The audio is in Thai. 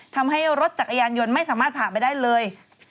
ทำให้รถจักรยานยนต์ไม่สามารถผ่านไปได้เลย